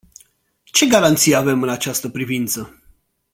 Ce garanții avem în această privință?